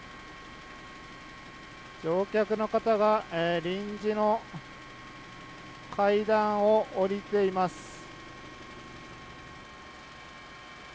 乗客の方が臨時の階段を下りています。